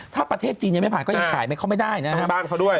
ถ้าประเทศจีนยังไม่ผ่านก็ยังขายไปเข้าไม่ได้นะครับ